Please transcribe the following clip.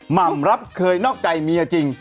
ห่ำรับเคยนอกใจเมียจริง